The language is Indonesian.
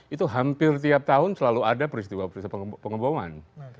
itu hampir tiap tahun selalu ada peristiwa pengembangan